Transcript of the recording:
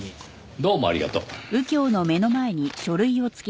どうもありがとう。